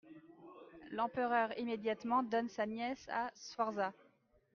L'Empereur immédiatement donne sa nièce à Sforza.